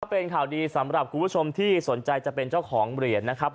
เป็นข่าวดีสำหรับคุณผู้ชมที่สนใจจะเป็นเจ้าของเหรียญนะครับ